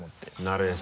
なるへそ。